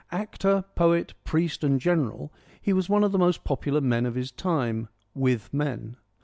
Actor, poet, priest, and gen eral, he was one of the most popular men of his time — with men.